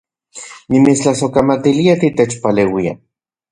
Nimitstlasojkamatilia titechpaleuia